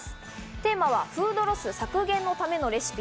テーマはフードロス削減のためのレシピ。